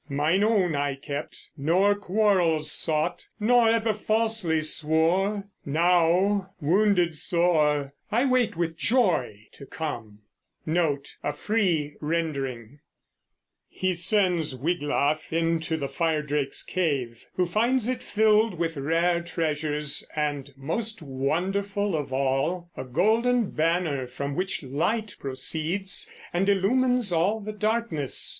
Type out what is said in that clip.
Mine own I kept, Nor quarrels sought, nor ever falsely swore. Now, wounded sore, I wait for joy to come." He sends Wiglaf into the firedrake's cave, who finds it filled with rare treasures and, most wonderful of all, a golden banner from which light proceeds and illumines all the darkness.